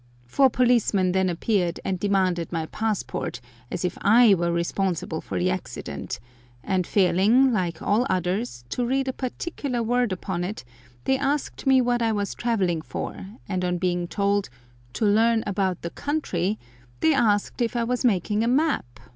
Four policemen then appeared and demanded my passport, as if I were responsible for the accident, and failing, like all others, to read a particular word upon it, they asked me what I was travelling for, and on being told "to learn about the country," they asked if I was making a map!